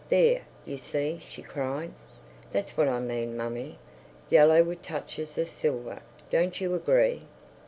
"There, you see," she cried. "That's what I mean, mummy. Yellow, with touches of silver. Don't you agree?"